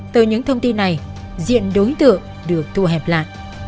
từ những thông tin này diện đối tượng được thu hẹp lại